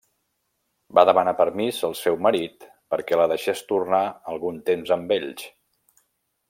Va demanar permís al seu marit perquè la deixés tornar algun temps amb ells.